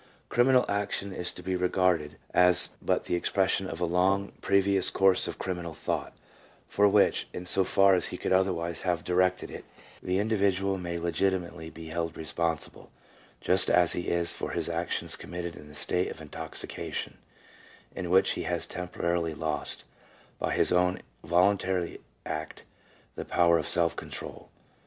" Criminal action is to be regarded as but the ex pression of a long previous course of criminal thought, for which, in so far as he could otherwise have directed it, the individual may legitimately be held responsible — just as he is for actions committed in the state of intoxication, in which he has temporarily lost, by his own voluntary act, the power of self control."